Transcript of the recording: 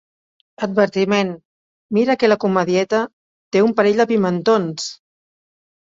Advertiment: 'Mira que la comedieta té un parell de pimentons!'